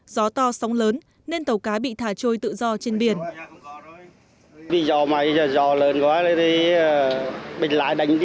gió to sóng lớn nên tàu cá bị thả trôi tự do trên biển